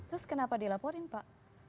terus kenapa dilaporin pak